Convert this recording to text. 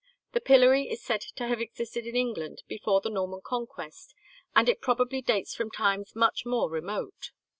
The pillory is said to have existed in England before the Norman Conquest, and it probably dates from times much more remote.